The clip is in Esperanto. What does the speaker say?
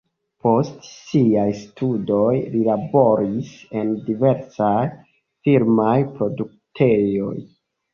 Post siaj studoj li laboris en diversaj filmaj produktejoj.